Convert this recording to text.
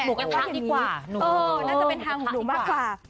หมวกกันวักดีกว่าน่าจะเป็นทางของหนูมากกว่า